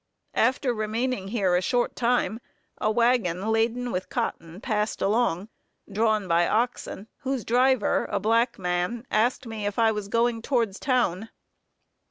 After remaining here a short time, a wagon laden with cotton passed along, drawn by oxen, whose driver, a black man, asked me if I was going towards town.